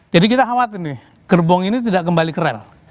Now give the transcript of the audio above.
jadi kita khawatir nih gerbong ini tidak kembali ke rel